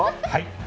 はい！